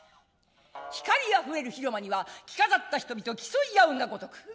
光あふれる広間には着飾った人々競い合うがごとく。